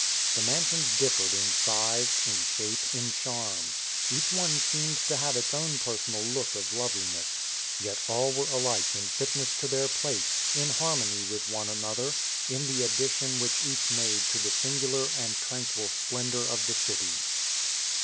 The mansions differed in size, in shape, in charm: each one seemed to have its own personal look of loveliness; yet all were alike in fitness to their place, in harmony with one another, in the addition which each made to the singular and tranquil splendor of the city.